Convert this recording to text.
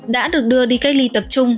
đã được đưa đi cách ly tập trung